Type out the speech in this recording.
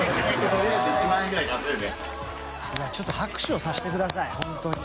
いやちょっと拍手をさせてください本当に。